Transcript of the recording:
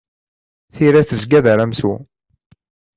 Tira tezga d aramsu.